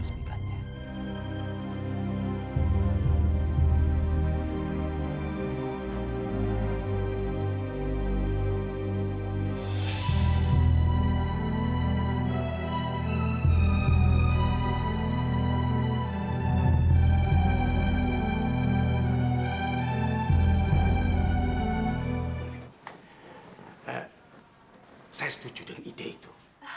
saya setuju dengan ide itu